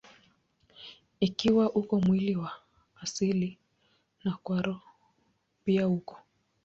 Ikiwa uko mwili wa asili, na wa roho pia uko.